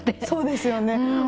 そうですよね。